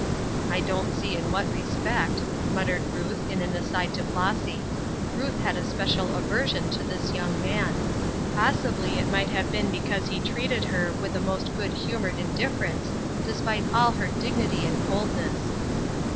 "I don't see in what respect," muttered Ruth in an aside to Flossy. Ruth had a special aversion to this young man; possibly it might have been because he treated her with the most good humored indifference, despite all her dignity and coldness.